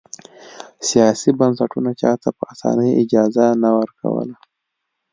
سیاسي بنسټونو چا ته په اسانۍ اجازه نه ورکوله.